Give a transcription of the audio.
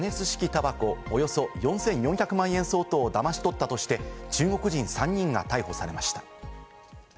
たばこ、およそ４４００万円相当をだまし取ったとして、中国人３人が逮捕されました。